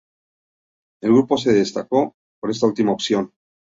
El grupo se decantó por esta última opción.